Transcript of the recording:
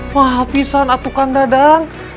wah hapisan atuk kang dadang